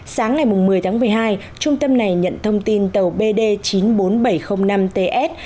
sáng ngày một mươi tháng một mươi hai trung tâm này nhận thông tin tàu bd chín mươi bốn nghìn bảy trăm linh năm ts